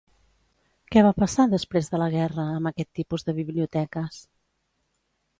Què va passar, després de la guerra, amb aquest tipus de biblioteques?